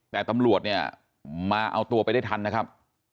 แต่ตำรวจเนี่ยมาเอาตัวไปได้ทันนะครับ